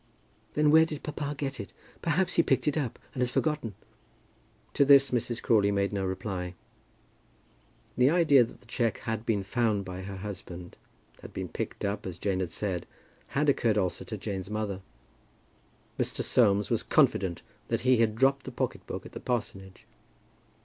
"Then where did papa get it? Perhaps he picked it up, and has forgotten?" To this Mrs. Crawley made no reply. The idea that the cheque had been found by her husband, had been picked up as Jane had said, had occurred also to Jane's mother. Mr. Soames was confident that he had dropped the pocket book at the parsonage.